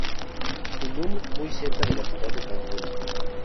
Tulum muy cerca del centro de la ciudad de Cancún.